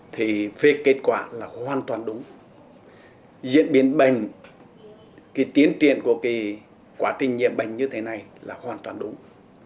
thì về kết quả là hoàn toàn đúng